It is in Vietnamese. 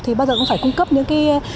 thì bao giờ cũng phải cung cấp những cái